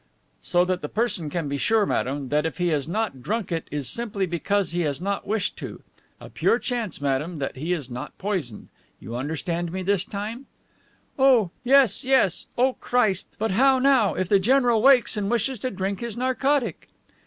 "So that the person can be sure, madame, that if he has not drunk it is simply because he has not wished to. A pure chance, madame, that he is not poisoned. You understand me this time?" "Yes, yes. O Christ! But how now, if the general wakes and wishes to drink his narcotic?"